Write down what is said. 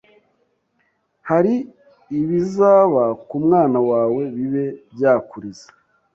hari ibizaba ku mwana wawe bibe byakuriza